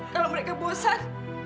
kalau mereka bosan